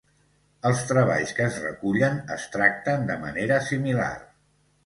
Els treballs que es recullen es tracten de manera similar.